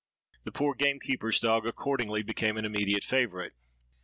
The poor gamekeeper's dog accordingly became an immediate favourite.